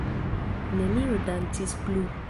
Neniu dancis plu.